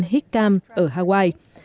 hickam ở hawaii